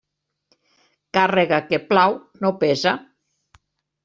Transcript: Càrrega que plau no pesa.